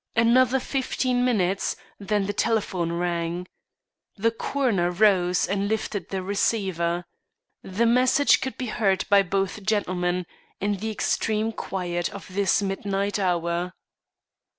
Another fifteen minutes, then the telephone rang. The coroner rose and lifted the receiver. The message could be heard by both gentlemen, in the extreme quiet of this midnight hour.